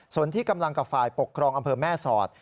ส่วนที่กำลังกับฝ่ายปกครองอำเภอแม่สอด